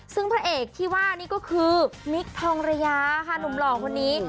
ซึ่งพระเอกที่ว่านี่ก็คือมิคทองระยาค่ะหนุ่มหล่อคนนี้